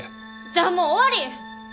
じゃあもう終わり！